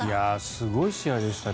すごい試合でしたね